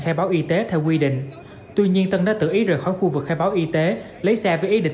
khai báo y tế theo quy định tuy nhiên tân đã tự ý rời khỏi khu vực khai báo y tế lấy xe với ý định